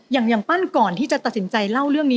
อย่างปั้นก่อนที่จะตัดสินใจเล่าเรื่องนี้